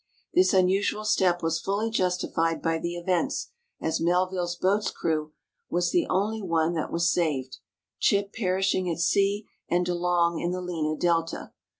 This unusual step was fully justified by the events, as Melville's boat's crew was the only one that was saved, C'hipp perishing at sea and De Long in the Lena Delta.